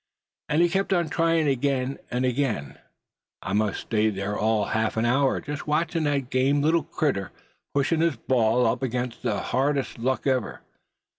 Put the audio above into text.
And he kept on tryin' again and again. I must a stayed there all of half an hour, just watchin' that game little critter pushin' his ball up against the hardest luck ever.